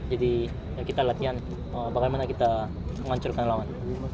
jadi kita latihan bagaimana kita menghancurkan lawan